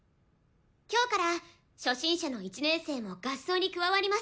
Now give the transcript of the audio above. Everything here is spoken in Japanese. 今日から初心者の１年生も合奏に加わります。